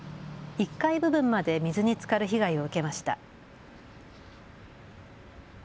１階部分まで水につかる被害を受けました。